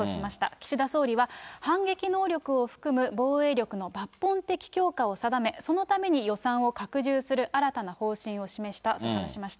岸田総理は、反撃能力を含む防衛力の抜本的強化を定め、そのために予算を拡充する新たな方針を示したと話しました。